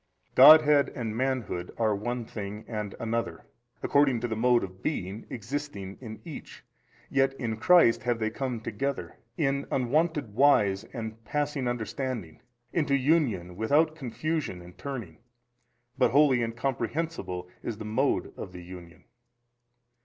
A. Godhead and manhood are one thing and another, according to the mode [of being] existing in each, yet in Christ have they come together, in unwonted wise and passing understanding, unto union, without confusion and turning 18. But wholly incomprehensible is the mode of the Union.